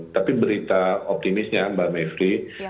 tapi berita optimisnya mbak mevri